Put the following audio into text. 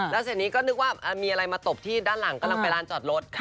แล้วเสร็จนี้ก็นึกว่ามีอะไรมาตบที่ด้านหลังกำลังไปร้านจอดรถ